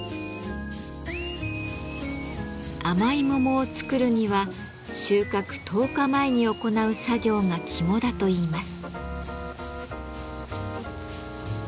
甘い桃を作るには収穫１０日前に行う作業が肝だといいます。